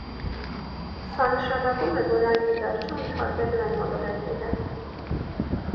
Սա նշանակում է, որ այն, ի վերջո, ընդհարվելու է մոլորակի հետ։